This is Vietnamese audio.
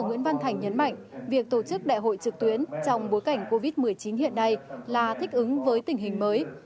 nguyễn văn thành nhấn mạnh việc tổ chức đại hội trực tuyến trong bối cảnh covid một mươi chín hiện nay là thích ứng với tình hình mới